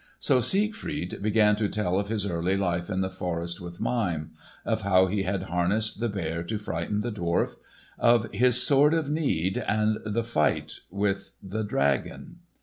So Siegfried began to tell of his early life in the forest with Mime; of how he harnessed the bear to frighten the dwarf; of his Sword of Need and the fight with the dragon.